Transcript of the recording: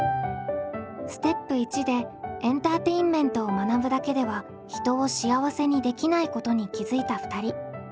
ステップ１でエンターテインメントを学ぶだけでは人を幸せにできないことに気付いた２人。